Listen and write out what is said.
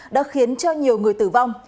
đã khiến cho nhiều người tử vong